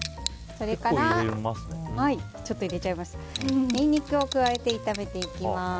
それからニンニクを加えて炒めていきます。